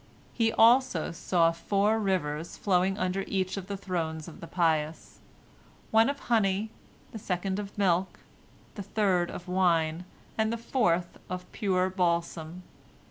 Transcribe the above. He also saw four rivers flowing under each of the thrones of the pious, one of honey, the second of milk, the third of wine, and the fourth of pure balsam.